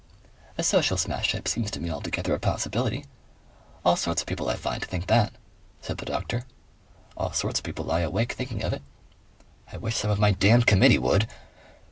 "A social smash up seems to me altogether a possibility. All sorts of people I find think that," said the doctor. "All sorts of people lie awake thinking of it." "I wish some of my damned Committee would!"